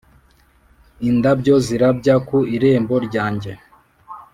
indabyo zirabya ku irembo ryanjye,